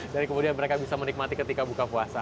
dan kemudian mereka bisa menikmati ketika buka puasa